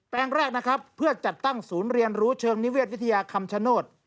แปลงแรกเพื่อจัดตั้งศูนย์เรียนรู้เชิงนิเวียดวิทยาคำชนด